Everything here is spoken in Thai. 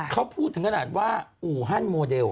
เขาพูดถึงขนาดว่าอูฮัน